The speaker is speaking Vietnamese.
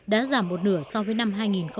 đã giảm một nửa so với năm hai nghìn một mươi